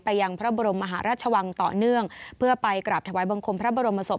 ยังพระบรมมหาราชวังต่อเนื่องเพื่อไปกราบถวายบังคมพระบรมศพ